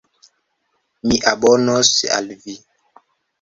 Mi abonos al vi